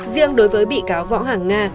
riêng đối với bị cáo võ hằng nga